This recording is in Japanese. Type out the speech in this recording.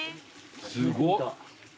すごっ。